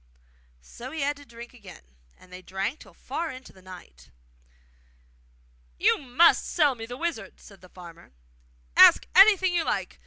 So he had to drink again, and they drank till far on into the night. 'You MUST sell me the wizard,' said the farmer. 'Ask anything you like!